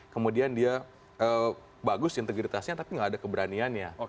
kemudian dia bagus integritasnya tapi nggak ada keberaniannya